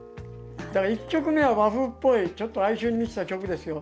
だから１曲目は和風っぽい、ちょっと哀愁に満ちた曲ですよ。